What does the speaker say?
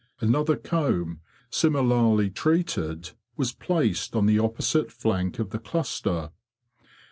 Another comb, similarly treated, was placed on the opposite flank of the cluster.